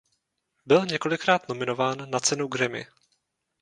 Byl několikrát nominován na cenu Grammy.